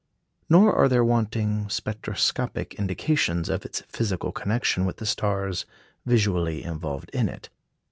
Nor are there wanting spectroscopic indications of its physical connection with the stars visually involved in it.